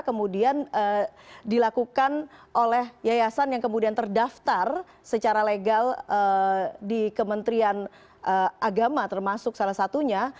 kemudian dilakukan oleh yayasan yang kemudian terdaftar secara legal di kementerian agama termasuk salah satunya